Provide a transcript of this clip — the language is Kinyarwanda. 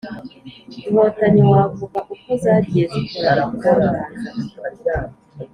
Inkotanyi, wavuga uko zagiye zikora ibitangaza